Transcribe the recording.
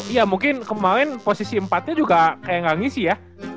iya mungkin kemaren posisi empat nya juga kayak ga ngisi ya